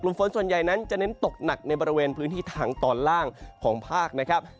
หลักกลุ่มฟ้นส่วนใหญ่นั้นจะเน้นตกหนักในบริเวณพื้นที่ทางตอนล่างของภาค